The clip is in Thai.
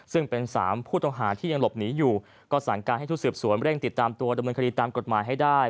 ซึ่งเป็น๓ผู้ต้องหาที่ยังหลบหนีอยู่ก็สั่งการให้ทุกสืบสวนเร่งติดตามตัวดำเนินคดีตามกฎหมายให้ได้